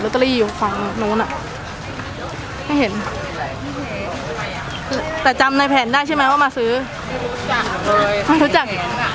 รอเตอรี่อยู่ของนู้นอ่ะไม่เห็นแต่จำในแผนได้ใช่ไหมว่ามาซื้อไม่รู้จัก